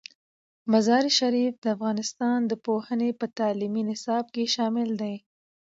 مزارشریف د افغانستان د پوهنې په تعلیمي نصاب کې شامل دی.